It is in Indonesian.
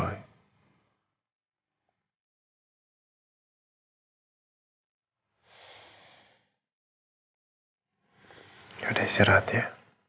ya udah istirahat ya